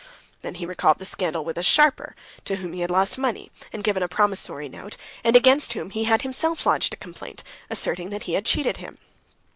Then he recalled the scandal with a sharper, to whom he had lost money, and given a promissory note, and against whom he had himself lodged a complaint, asserting that he had cheated him.